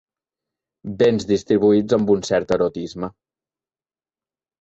Béns distribuïts amb un cert erotisme.